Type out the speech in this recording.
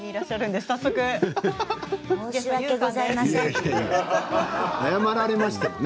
申し訳ございません。